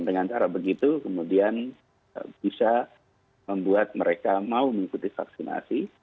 dan dengan cara begitu kemudian bisa membuat mereka mau mengikuti vaksinasi